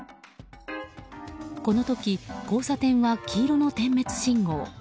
この時、交差点は黄色の点滅信号。